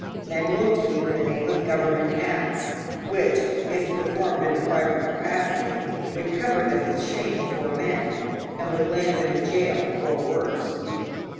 Men will do in the name of government acts which, if performed in a private capacity, would cover them with shame before men, and would land them in a gaol or worse.